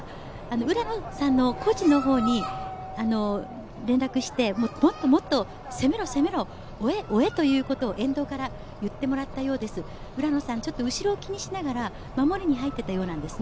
浦野さんのコーチに連絡して、もっともっと攻めろ攻めろ、追え追えということを沿道から言ってもらったようです、浦野さん、後ろを気にしながら守りに入っていたようなんですね。